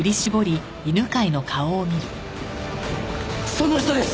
その人です！